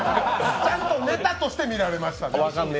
ちゃんとネタとして見られてました。